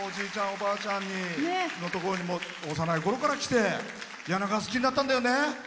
おばあちゃんのところに幼いころから来て柳川、好きになったんだよね。